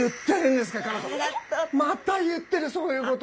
また言ってるそういうこと！？